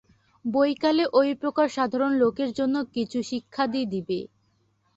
বৈকালে ঐ প্রকার সাধারণ লোকের জন্য কিছু শিক্ষাদি দিবে।